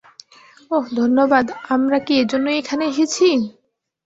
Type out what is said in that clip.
ওহ, ধন্যবাদ, আমরা কি এইজন্যই এখানে এসেছি?